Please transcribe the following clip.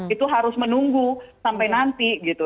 itu harus menunggu sampai nanti gitu